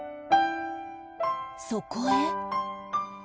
そこへ